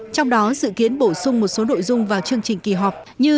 trong đó dự kiến bổ sung một số nội dung vào chương trình kỳ họp như